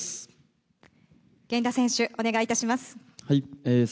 源田選手、お願いいたします。